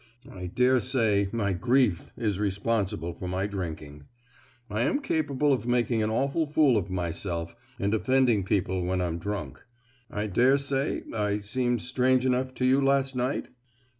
I daresay my grief is responsible for my drinking. I am capable of making an awful fool of myself and offending people when I'm drunk. I daresay I seemed strange enough to you last night?"